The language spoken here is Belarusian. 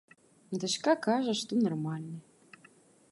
Дачка кажа, што нармальны.